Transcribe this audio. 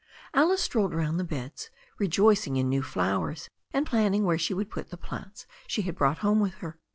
Alice strolled round the beds, rejoicing in new flowers, and planning where she would put the plants she had brought home with her.